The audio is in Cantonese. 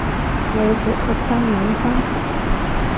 你條僕街滿分？